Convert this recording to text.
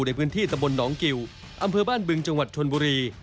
ในพื้นที่ตะบนหนองกิวอำเภอบ้านบึงจังหวัดชนบุรี